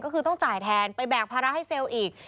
ก็คือต้องจ่ายแทนไปแบกภาระให้เซลล์อีก